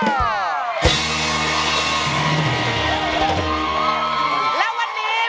เพื่อพลังสะท้าของคนลูกทุก